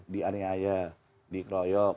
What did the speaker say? di aneh aneh dikroyok